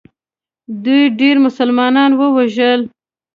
دوی ډېر مسلمانان ووژل.